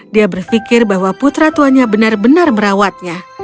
dia berpikir bahwa putra tuanya benar benar merawatnya